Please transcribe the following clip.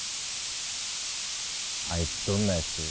あいつどんな奴？